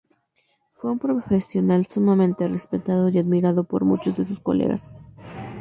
Fue un profesional sumamente respetado y admirado por muchos de sus colegas.